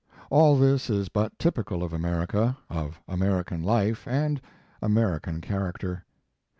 All this is but typical of America, of American life and American character.